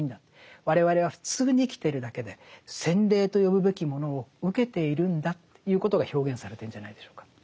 我々は普通に生きてるだけで洗礼と呼ぶべきものを受けているんだということが表現されてるんじゃないでしょうか。